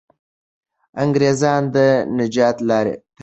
انګریزان د نجات لاره تړي.